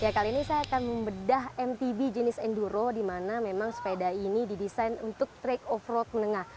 kali ini saya akan membedah mtb jenis enduro di mana memang sepeda ini didesain untuk track off road menengah